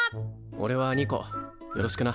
おれはニコよろしくな。